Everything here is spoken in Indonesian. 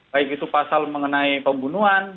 baik itu pasal mengenai pembunuhan